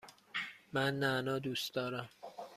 من نعنا دوست دارم.